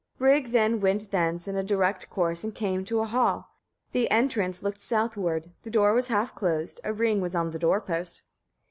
23. Rig then went thence, in a direct course, and came to a hall: the entrance looked southward, the door was half closed, a ring was on the door post.